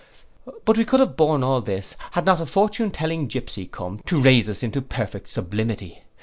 But we could have borne all this, had not a fortune telling gypsey come to raise us into perfect sublimity.